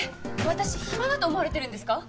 私暇だと思われてるんですか？